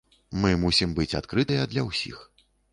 Мы мусім быць адкрытыя для ўсіх.